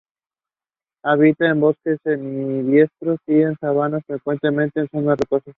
Habita en bosques, semidesiertos, y sabanas, frecuentemente en zonas rocosas.